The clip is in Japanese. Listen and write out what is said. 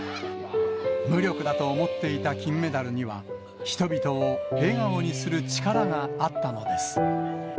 無力だと思っていた金メダルには、人々を笑顔にする力があったのです。